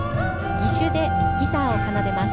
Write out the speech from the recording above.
義手でギターを奏でます。